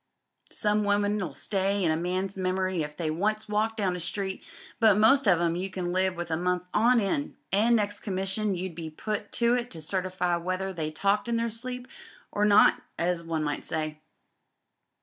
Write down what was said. Some women'U stay in a man's memory if they once walked down a street, but most of 'em you can live with a month on end, an' next commission you'd be put to it to certify whether they talked in their sleep or not, as one might say."